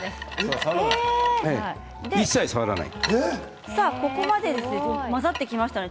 一切、触らない。